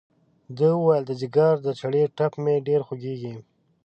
ده وویل د ځګر د چړې ټپ مې ډېر خوږېږي.